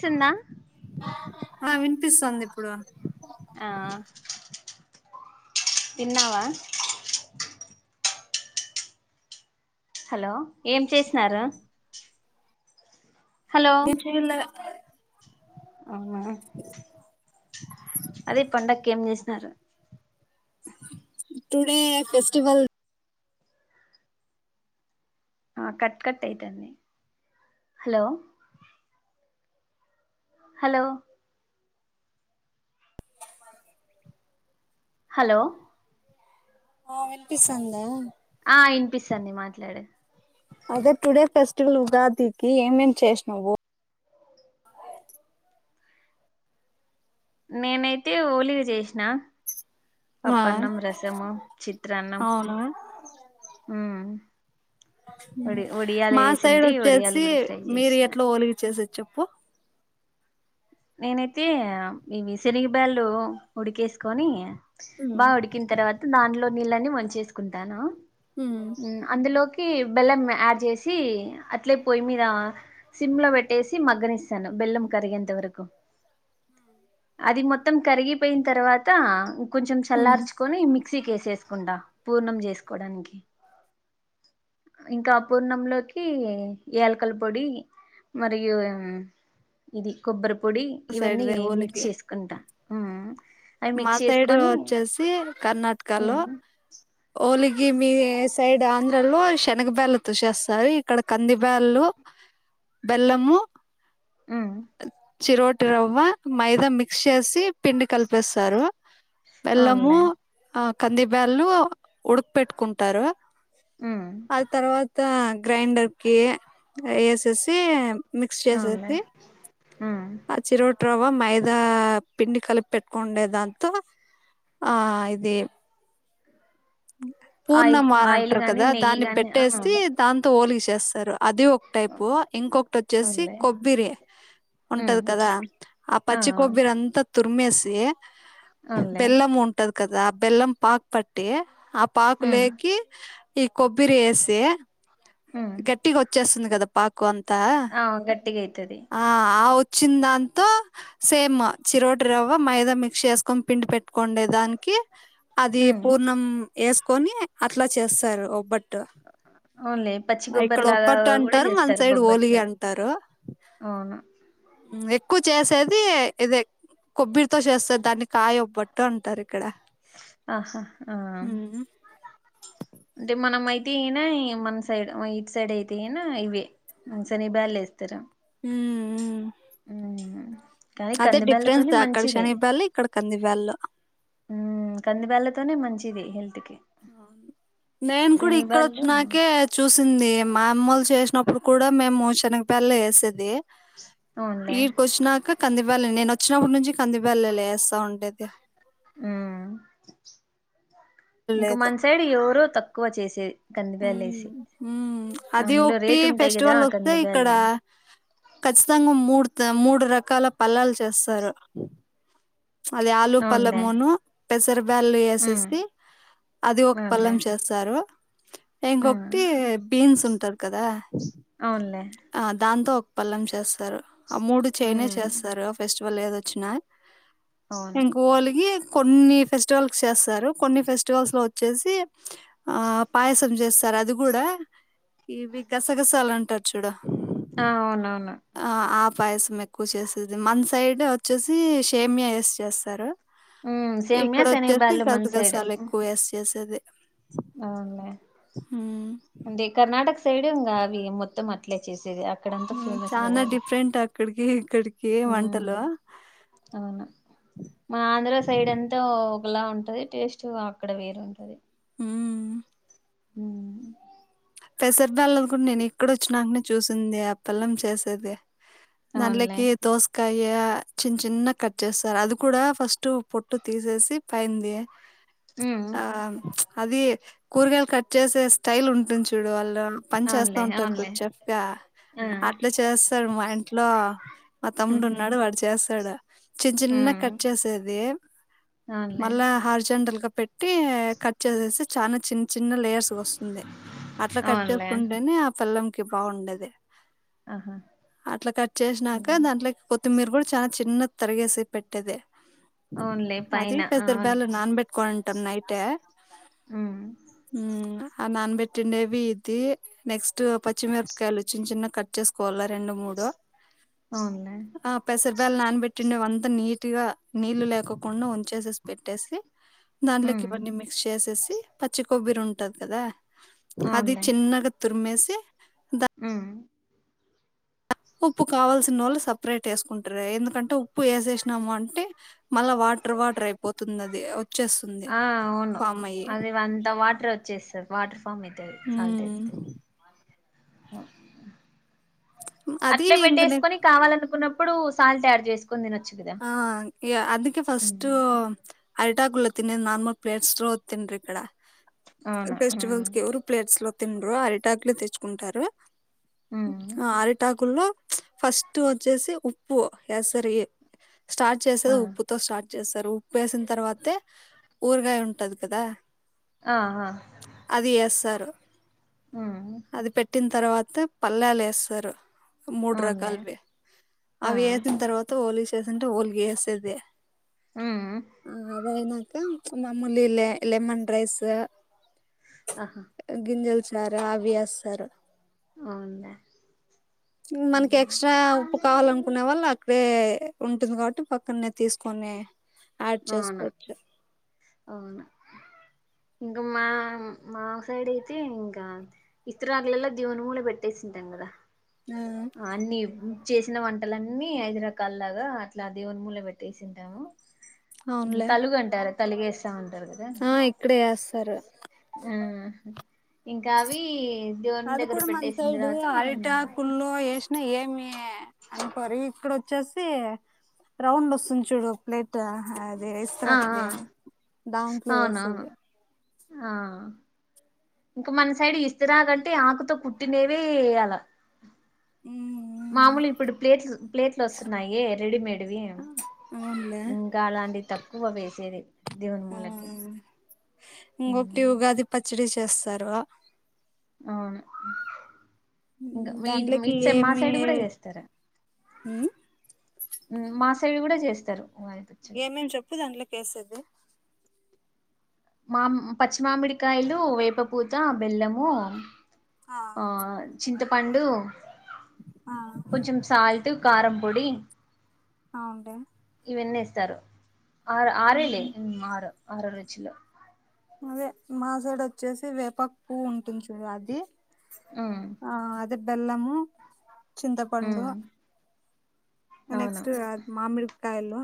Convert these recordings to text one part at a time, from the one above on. సిన్నా కనిపిస్తుంది ఇప్పుడు తన్నావా హలో ఏం చేసిన నను చేలే అవునా అదే పండగ ఏం చేసినారు టుడే ఫెస్టివల్ ఆ కట్ కట్ అవుతుండి హలో హలో హలో ఆ వినిపిస్తు అందా ఆ ఇనిపిస్తండి మాట్లాడే అదే టుడే ఫెస్టివల్ ఉగాదికి ఏమేమి చేసినావు నేనైతే ోలిక చేసినా ఆ పప్ప అన్నం రసమం చిత్రత్రాన్నం అవును హ మా సైడ్ వడియాలు వచ్చేసి కూడా ఫ్రై మీరు చేసిన ఎట్లా లికి చేసొచ్చు ఓహో నేనైతే ఇవి శనగ బ్యాళ్ళు ఉడికేసుకొని ఉమ్ బాగా ఉడికిన తర్వాత దాట్లో నీళ్ళని వంచేసుకుంటాను ఉమ్ అందులోకి బెల్లం యాడ్ చేసి అట్లే పోయి మీద సిమ్ లో పెట్టేసి మగ్గని ఇస్తాను బెల్లం కరిగేంత వరకు అది మొత్తం కరిగిపోయిన తర్వాత కొంచెం ఉమ్ చల్లార్చుకొని మిక్సీ కేసేసుకుంటా పూర్ణం చేసుకోడానికి ఇంకా పూర్ణంలోకి యాలకల పొడి మరియు ఇది కొబ్బర్ పొడి సైడ్ ఇవన్నీ వే మిక్స్ ఓలిగి చేసుకుంటా అవి మా మిక్స్ సైడు చేసుకొని వచ్చేసి కర్ణాటక లో మ్ ఓలీగ్ గివ్ మీ సైడ్ ఆంధ్రాలో శనగ బ్యాల్ తో చేసేస్తారు ఇక్కడ కందిబ్యాలు బెల్లము మ్ చిరోటి రవ్వ మైదా మిక్స్ చేసి పిండి కలిపేస్తారు బెల్లము అవునులే ఆ కంది బ్యాలు ఉడుక పెెట్టుకుంటారు మ్ అది తర్వాత గ్రైండర్ కి వేసేసి మిక్స్ అవునులే చేసేసి మ్ ఆ చిరో చట్రవా మైదా పిండి కలిపి పెట్టుకుండేదంత ఆ ఇది ఆయిల్ పూర్ణమాన్ అని ఆయిల్ అంటారు గాని కదా నెయ్యి దాన్ని గాని ఆ పెట్టేసి దాంతో ఓలిగ చేస్తారు అది ఒక టైపు ఇంకొకటి వచ్చేసి అవునులే కొబ్బరి ఉంటది ఉమ్ కదా ఆ పచ్చికోబ్బర అంతా తురిమేసి అవునులే బెల్లం ఉంటది కదా ఆ బెల్లం పాకు పట్టి ఆ పాకు ఉమ్ లేకి ఈ కొబ్బరి వేసి ఉమ్ కట్టిగ వచ్చేస్తుంది గదా పాకు అంత ఆ గట్టిగా అయితది ఆ అవ్ వచ్చిన్దాంతో సేమ్ చిరోటి రవ్వ మైదా మిక్స్ చేసుకొని పిండి పెట్టుకోండే దానికి అది ఉమ్ పూర్ణం ఎసుకని అట్లా చేస్తారు ఒబట్ అవున్ లె పచ్ ఇక్కడ ఓబ్బట్టు అంటారు మన సైడ్ ఓలిగ అంటారు అవును ఎక్కువ చేసేది ఇదే కొబ్బరితో చేస్తది దాన్ని కాయ ఒబట్టు అంటారు ఇక్కడ ఆహా ఆ ఉమ్, అంటే మనమై టి గినా మన సైడ్ ఇటు సైడ్ అయితే అయినా ఇవే శనిగ బ్యాలు వేస్తారు ఉమ్ హు ఉమ్ కానీ అదే డిఫరెన్స్ కందిబ్యాళ్ళతోనే అక్కడ మంచిదే శనిగబ్యాలు ఇక్కడ కంది బ్యాలు ఉమ్ కంది బ్యాల తోనే మంచిది హెల్త్ కి నేను కూడా ఇక్కడ శనిబ్యాళ్ళు వచ్చినాకే చూసింది మా అమ్మల సైడ్ చేసినప్పుడు కూడా మేము శనగ బ్యాలే వేసేది అవున్ లే కంది బ్యాలే నేను వచ్చినప్పుడు నుంచి కంది బ్యాలే వేస్తా ఉండేది ఉమ్ ఇంకా లేదు మన సైడ్ ఎవరు తక్కువ చేసేది కందిబ్యాళ్ళు వేసి ఉమ్ అది అందులో ఒకటి రేటు ఉంటాయి కదా ఫెస్టివల్ ఆ వస్తే ఇక్కడ కందిబ్యాళ్ళు ఖచ్చితంగా మూడుత మూడు రకాల పల్లాలు చేస్తారు అది ఆలు అవునులే పల్లమూను పెసరపు బ్యాలు ఉమ్ వేసేసి అది ఒక అవునులే పలెం చేస్తారు ఉమ్ ఇంకొకటి బీన్స్ ఉంటాది కదా అవునులే ఆ దాంతో ఒక పల్లెం చేస్తారు ఆ మూడు చేయానే ఉమ్ చేస్తారు ఫెస్ట్ వల్ ఏది వచ్చిన అవును ఒలిగి కొన్ని ఫెస్టివల్స్ కీ చేస్తారు కొన్ని ఫెస్టివల్స్ లో వచ్చేసి ఆ పాయసం చేస్ స్తరు అది కూడా ఇవి గసగసాల అంటారు చూడు అవున ఆ ఆప్ పాయసం ఎక్కువ చేసేది మన్ సైడ్ వచ్చేసి షేమియా ఏసి చేస్తారు ఉమ్ సేమ్యా ఇక్కడ అచ్చేసి శనగబ్యాళ్ళు గసగసాలు ఎక్కువేసి చేసేదే అవున్లే హు అంటే సైడేం గాదు ఆవి మొత్తం అట్లే చేసేదే ఉ చాన డిఫ్రెంట్ అక్కడికి ఇక్కడికి ఊ వంటలు అవును మా ఆంధ్ర సైడ్ ఎంతో అలా ఉంటది టేస్ట్ అక్కడ వేరుంటది ఉమ్ హు పెసర్ బ్యాలను కూడా నేను ఇక్కడొచ్చినాకనే చూసింది అప్పల్లం చేసేది దాంట్లే అవునులే కి దోసకా కయ్య చిన్న చిన్న కట్ చేస్తార్ అది కూడా ఫస్ట్ పొట్టు తీసేసి పైంది ఉమ్ ఆ అది కూరగాయలు కట్ చేసే స్టైల్ ఉంటుంది చూడు వాల్ పని చేస్తా అవునులే ఉంటరు అవునులే ఇప్పుడు చెఫ్ గా ఆ అట్లా చేస్తాడు మా ఇంట్లో మా తమ్ముడు ఉన్నాడు వాడు చేస్తాడు చిన్న చిన్న కట్ ఉమ్ చేసేది అవునులే మల్లా హార్ జండల్ గా ట్టి కట్ చేసేస్తే చాల చిన్న చిన్న లేయర్స్ వస్తుంది అట్లా కట్ అవునులే చేసుకుంటేనే ఆ పెల్లంకి బాగుండేది ఆహా అట్లా కట్ చేసినాక దాంట్లోకి కొత్త్ మిరు కూడా చాలా చిన్న తరిగేసి పెట్టేది అవునులే అది పైన పెసర్ అవును బ్యాలను నాన్ పెట్టుకోయింటమ్ నైటే ఉమ్ ఊంగా ఆ నానబెట్టిండేవి ఇది నెక్స్ట్ పచ్చిమిరపకాయలు చిన్న చిన్న కట్ చ్చేసుకోవల్ల రెండు మూడు అవునులే బ్యాల్ నానబెట్టిండేవి అంతా నీట్ గా నీళ్లు లేకుండా వంచేసేసి పెట్టేసి దాంట్లోకి ఉమ్ ఇవన్నీ మిక్స్ చేసేసి పచ్చికొబ్బరి ఉంటది కదా అది చిన్నగా తురిమేసి ఊ ఉప్పు కావాల్సినోల్లు సప్రేట్ ఏసుకుంట్రే ఎందుకంటే ఉప్పు ఏసేసినమంటె మల్ల వాట్ టర్ వాటర్ అయిపోతుంది ఆది ఆ అవును అది అంత వాటర్ చేస్తరు వాటర్ ఫామ్ అయితది సాల్ట్ హ్మ్. ఎత్తే అది అట్లే ఇంక నే పెట్టేసుకొని కావాలనుకున్నప్పుడు సాల్ట్ ఆడ్ చేసుక్ ఆ ఇగ అందుకే ఫస్ట్ ఉమ్ అరిటాకులలో తినేది నార్మల్ ప్లేట్స్ లో తినరు ఇక్కడ అవును ఉమ్ ఫెస్టివల్స్ కి ఏవరు ప్లేట్స్ లో తిండ్రు అరిటాకులు తెచ్చుకుంటారు ఉమ్ ఆ అరిటాకుల్లో ఫస్ట్ వచ్చేసి ఉప్పు ఏస్తారు ఈ స్టార్ట్ ఆ చేసేది ఉప్పుతో స్టార్ట్ చేస్తారు ఉప్పు ఏసిన తర్వాతే ఊరగాయ ఉంటది కదా ఆ ఆ అది ఏస్తారు ఉమ్ అది పెట్ ట్టిన తర్వాత పల్లాలు ఏస్తరు మూడు అవునులే రకాలువి ఆ అవి ఏసిన్ తర్వాత ఓలి చేసంటే ఓలిగా ఏసేది ఉమ్ ఆ అది అయినాక మమ్ములి లే లెమన్ రైస్ ఆహా గింజల సార అవి ఏస్తారు అవున్లె మనకి ఎక్సట్రా ఉప్పు కావాలనుకునే వాళ్ళు అక్కడే ఉంటుంది కాబట్టి పక్కనే తీసుకొని ఆడ్ అవును చేసుకోవచ్చు అవును ఇంకా మా మా సైడ్ అయితే ఇంకా ఇస్తారకులలో దేవుని ముల పెట్టే సింటాం గదా ఆ అన్నీ చేసిన వంటలన్నీ హైదరా కాల్ లాగా అట్లా దేవునిముూల పెట్టేసింటాము అవునులే తలుగు అంటార తలుగేస్తామ కదా ఆ ఇక్కడే ఏస్తారు. ఇంకా అవి దేవుని అది దగ్గర కూడాడ మన పెట్టేసిన సైడు తర్వాత మనం ఆరిటా తింటాం కుళ్ళు ఎస్ ఏమి అనుకోరు ఇక్కడ వచ్చసి రౌండ్ వస్తుంది చూడు ప్లేట్ ఆ ఆ ఇస్త్రాది దాంట్లో అవునవును వేసది ఆ ఇంక మన సైడ్ ఇస్తుఆకుతో కుట్టినేవే వేయ్యాల మామూలు ఇప్పుడు ప్లేట్లు ప్లేట్లు వస్తున్నాయి రెడీమేడ్వి అవునులే ఇంకా అలాంటి తక్కువ వేసేది దేవుడు ఆ ముందర ఇంకొకటి ఉగాది పచ్చడి చేస్తారు అవును దాంట్లోకి ఇంకా మా ఏమి సైడ్ కూడా చేస్తారా ఉమ్, మాసైడి కూడా చేస్తారు ఉగాది పచ్చడి ఏమేం చెప్పు దాంట్లోకి వేసేది పచ్చి మామిడికాయలు వేపపూత బెల్లము ఆ చింతపండు ఆ కొంచెం సాల్ట్ కారంపొడి అవుంట విన్నేస్తారు ఆరు ఆరేలే ఆరు రుచులో అదే మాసడు వచ్చేసి వేప పూవు ఉంటుంది చూడు అది ఉమ్ ఆ అది బెల్లమ చింతపండు ఉమ్ అవును నెక్స్ట్ అది మామిడికాయలు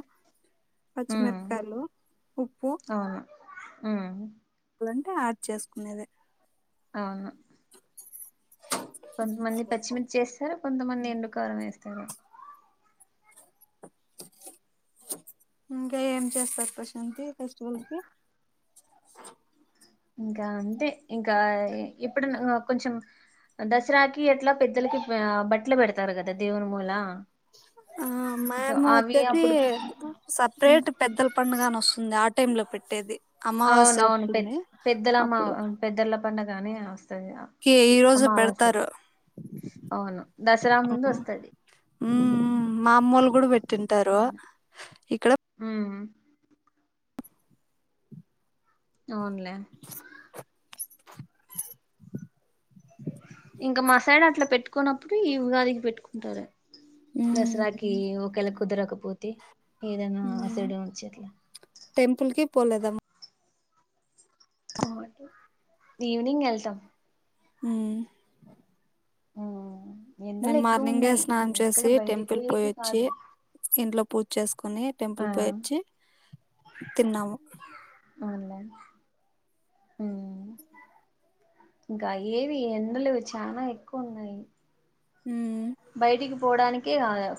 ఉమ్ పచ్చిమిరకాయలు ఉప్పు ఆ అలంటే యాడ్ చేసుకునేది అవును కొంతమంది పచ్చిమిర్చి వేస్తారు కొంతమంది ఎండుకారం వేస్తారు ఇంకా ఏం చేస్తారు ప్రశాంతి ఫెస్టివల్ కి ఇంకా అంటే ఇంకా ఎప్పుడునా కొంచెం దసరాకి ఎట్లా పెద్దలకి బట్టలు పెడతారు కదా దేవుని మూల ఆ సో మ్యాము అవి వచ్చేసి అప్పుడు సపరేట్ పెద్దల పడుగని వస్తుంది ఆ టైమ్ లో పెట్టి పట్టేది అవున అవును పె పెద్దలమ్మ అప్పుడు పెద్దళ్ల పండగాని వ కి ఈ రోజు పెడతారు అమావాస్యకి అవును దసరా ముందు వస్తది ఉ ఉమ్ మా అమ్మళ్లు కూడా పెట్టింటారు అవును ఇక్కడ ఉమ్ అవునులే ఇంకా మా సైడ్ అట్లా పెట్టుకున్నప్పుడు ఈ ఉగాదికి పెట్టుకుంటారు దసరాకి ఒకేళ కుదరకపోతే ఏదైనా అసడ వచ్చట్లా పోలేదాము ఈవినింగ్ వెళ్తాం ఈ ఆ మేము మార్నింగ స్నానం చేసి బయటికి టెంపుల్ పోయి పోయేకి వచ్చి కాదు ఇంట్లో పూజ చేసుకుని ఆ టెంపుల్ పొయి వచ్చి తిన్నాము అవునులే హ ఇంకా ఏవి ఎండలు చాలా ఎక్కువ ఉన్నాయి హ పోవడానికి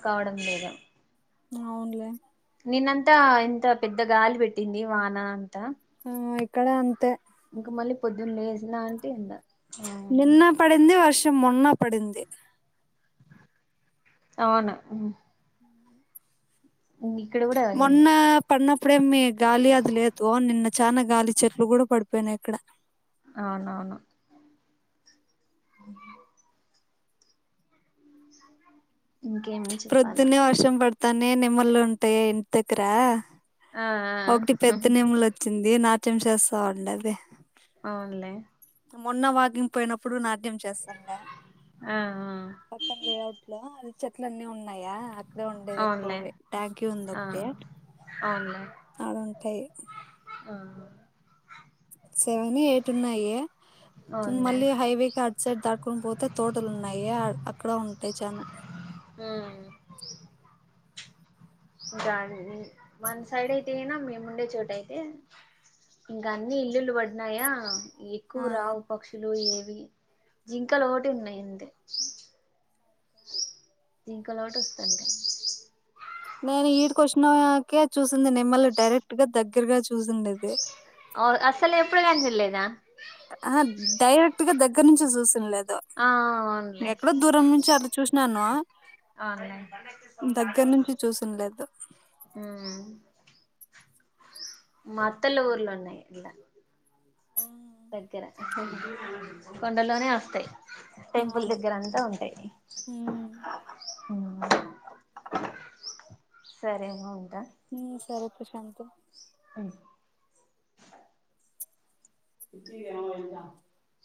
కావడం లేదు అవునులే నిేనంతా ఇంత పెద్ద గాలి పెట్టింది వాన అంతా ఆ ఇక్కడ అంతే ఇంక మళ్ళీ పొద్దున లేసినాంచి ఎండ ఆ నిన్న పడింది వర్షం మొన్న పడింది అవును ఇక్కడ కూడా మొన్న పడింది పడినప్పుడేమి గాలి అదిలేదు నిన్న చానా గాలి చెట్లు కూడా పడిపోయినాయి అక్కడ అవునవును అ ఇంకేం చెప్పాలా తనే నెమలు ఉంటే ఇంటి దగ్గర ఆ ఒకటి పెద్ద నెమలి వచ్చింది నాట్యం చేస్తాఉండె అది అవును లేే మొన్న వాకింగ్ పోయినప్పుడు నాకు స్తా ఆ పక్కన లేఅట్ లో అది చెట్లు అన్నీ ఉన్నాయా అక్కడే ఉండేది ఆ అవునులే ఎక్కువవి ట్యాంకి ఉంది ఆ ఒకటి ఆడుంటాయి ఆహా సెవెన్ ఎయిట్ ఉన్నాయి అవునులే మళ్ళీ హైవే క అటు సైడ్ దాటుకుని పోతే తోటలు ఉన్నాయి అక్కడ ఉంటాయి చానా హ రాం వన్ సైడ్ అయితే గైనా మేముండే చోట అయితే ఇంకా అన్ని ఇల్లులు పడినాయా ఎక్కువ ఆ రావు పక్షులు ఏవి జింక లు ఒకటి ఉన్నాయి అంతే జింక లొకటి వస్థాంటయి నేను ఈడికి వచ్చినకె చూసింది నెమల్లు డైరెక్ట్ గా దగ్గరగా చూసిండేది అవును అసలు ఎప్పుడు కాని చూడల్లేదా అహ డైరెక్ట్ గా దగ్గర నుంచి చూసింలేదు ఆ అవునులే ఎక్కడో దూరం నుంచి అట్ల చూసినాను అవునులే దగ్గర నుంచి చూసినలేదు మత్తల ఊర్లో ఉన్నయి ఇలా ఆ దగ్గర కొండల్లోనే వస్తాయి టెంపుల్ అవును దగ్గర అంతా ఉంటాయి ఉమ్ సరే మా ఉంటా ఉ సరే ప్రశాంతి అ ఇక వెత [unintelligible]